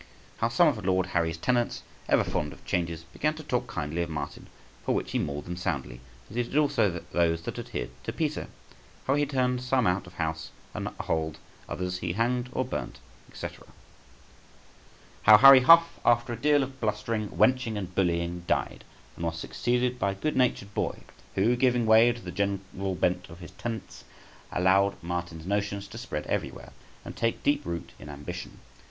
How some of Lord Harry's tenants, ever fond of changes, began to talk kindly of Martin, for which he mauled them soundly, as he did also those that adhered to Peter. How he turned some out of house and hold, others he hanged or burnt, &c. How Harry Huff, after a deal of blustering, wenching, and bullying, died, and was succeeded by a good natured boy {161a}, who, giving way to the general bent of his tenants, allowed Martin's notions to spread everywhere, and take deep root in Ambition.